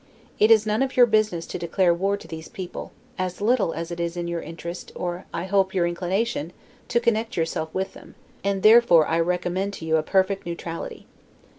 It is none of your business to declare war to these people, as little as it is your interest, or, I hope, your inclination, to connect yourself with them; and therefore I recommend to you a perfect neutrality.